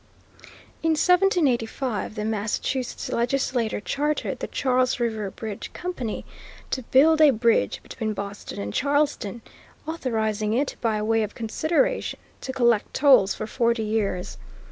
In 1785 the Massachusetts legislature chartered the Charles River Bridge Company to build a bridge between Boston and Charlestown, authorizing it, by way of consideration, to collect tolls for forty years.